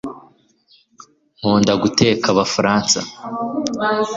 nkunda guteka abafaransa